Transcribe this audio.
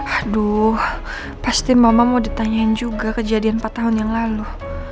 aduh pasti mama mau ditanyain juga kejadian empat tahun yang lalu